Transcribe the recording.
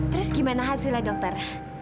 terus gimana hasilnya dokter